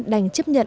đành chấp nhận